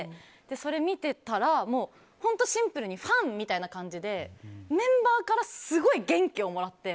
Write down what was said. それを見てたら、本当シンプルにファンみたいな感じでメンバーからすごい元気をもらって。